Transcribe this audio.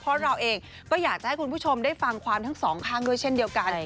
เพราะเราเองก็อยากจะให้คุณผู้ชมได้ฟังความทั้งสองข้างด้วยเช่นเดียวกัน